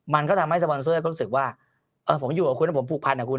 มันก็ทำให้สปอนเซอร์ก็รู้สึกว่าผมอยู่กับคุณแล้วผมผูกพันกับคุณ